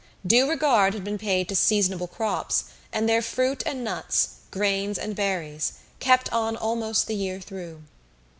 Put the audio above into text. Due regard had been paid to seasonable crops, and their fruit and nuts, grains and berries, kept on almost the year through.